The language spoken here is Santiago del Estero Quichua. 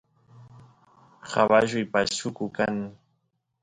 caballuy pashuku kan